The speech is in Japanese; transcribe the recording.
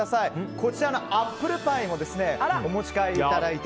こちらのアップルパイもお持ち帰りいただいて